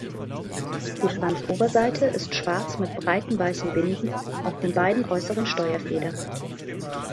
Die Schwanzoberseite ist schwarz mit breiten weißen Binden auf den beiden äußeren Steuerfedern.